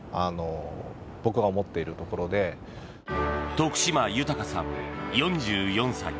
徳島泰さん、４４歳。